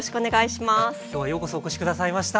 今日はようこそお越し下さいました。